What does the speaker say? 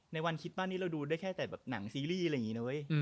ในวันคิดมัตต์นี้เราดูได้แค่แต่หนังซีรีส์